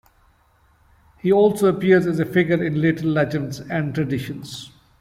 He also appears as a figure in later legends and traditions.